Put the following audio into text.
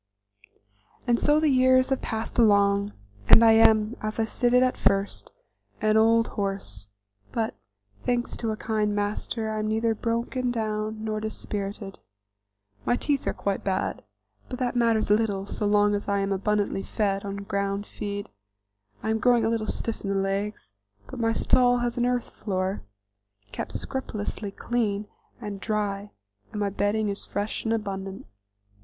And so the years have passed along, and I am, as I stated at first, an old horse, but, thanks to a kind master, I am neither broken down nor dispirited. My teeth are quite bad, but that matters little so long as I am abundantly fed on ground feed; I am growing a little stiff in the legs, but my stall has an earth floor, kept scrupulously clean and dry and my bedding is fresh and abundant.